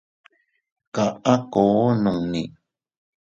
Kaá koo nuuni.